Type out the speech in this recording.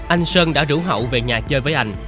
anh sơn đã rủ hậu về nhà chơi với anh